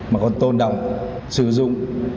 mà còn tôn động sử dụng